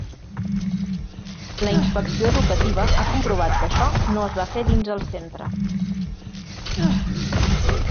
La inspecció educativa ha comprovat que això no es va fer dins el centre.